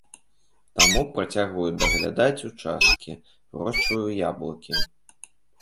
Таму працягваю даглядаць участкі, вырошчваю яблыкі.